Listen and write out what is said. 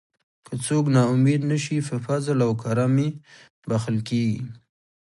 که څوک نا امید نشي په فضل او کرم یې بښل کیږي.